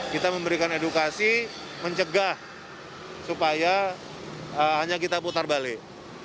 kita memberikan edukasi mencegah supaya hanya kita putar balik